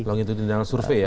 longitudinal survey ya